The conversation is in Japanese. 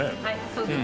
そうです